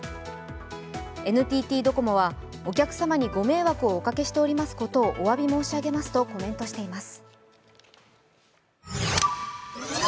ＮＴＴドコモは、お客様にご迷惑をおかけしていますことをおわび申し上げますとコメントしています。